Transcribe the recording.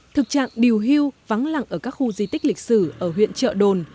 thực trạng điều hưu vắng lặng ở các khu di tích lịch sử ở huyện trợ đồn